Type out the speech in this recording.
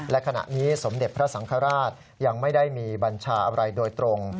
และขณะนี้สมเด็จพระสังฆราชยังไม่ได้มีบัญชาอะไรโดยตรง